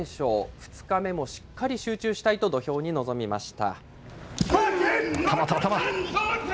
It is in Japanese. ２日目もしっかり集中したいと、土俵に臨みました。